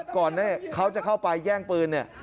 ก่อนเขาจะเข้าไปแย่งปืนเนี่ย